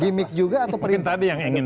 gimik juga atau perintah mungkin tadi yang ingin